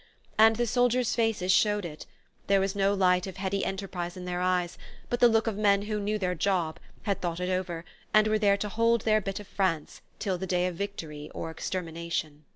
And the soldiers' faces showed it: there was no light of heady enterprise in their eyes, but the look of men who knew their job, had thought it over, and were there to hold their bit of France till the day of victory or extermination.